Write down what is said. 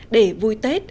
để vui tết